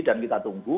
dan kita tunggu